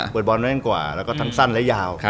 บอลแม่งกว่าแล้วก็ทั้งสั้นและยาว